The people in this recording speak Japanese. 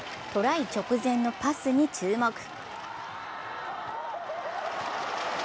トライ直前のパスに注目。